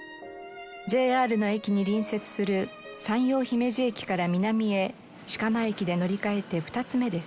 ＪＲの駅に隣接する山陽姫路駅から南へ飾磨駅で乗り換えて２つ目です。